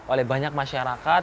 oleh banyak masyarakat